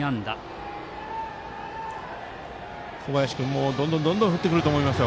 小林君もどんどん振ってくると思います。